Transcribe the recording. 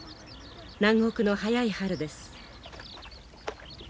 南国の早い春です。